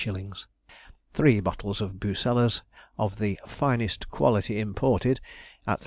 _; three bottles of Bucellas, of the 'finest quality imported,' at 38_s.